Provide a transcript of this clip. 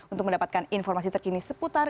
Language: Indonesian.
untuk mendapatkan informasi terkini sepanjang hari